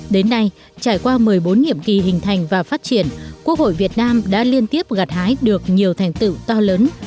đến nay trải qua một mươi bốn nhiệm kỳ hình thành và phát triển quốc hội việt nam đã liên tiếp gặt hái được nhiều thành tựu to lớn